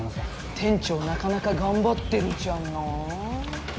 店長なかなか頑張ってるじゃない。